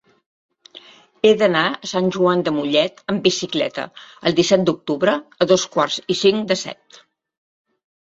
He d'anar a Sant Joan de Mollet amb bicicleta el disset d'octubre a dos quarts i cinc de set.